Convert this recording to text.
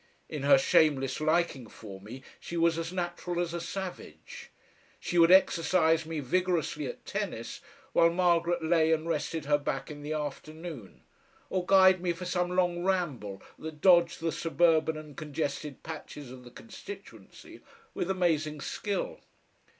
In her shameless liking for me she was as natural as a savage. She would exercise me vigorously at tennis, while Margaret lay and rested her back in the afternoon, or guide me for some long ramble that dodged the suburban and congested patches of the constituency with amazing skill.